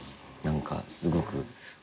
何かすごく。